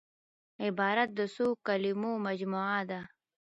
عبارت د څو کليمو مجموعه ده.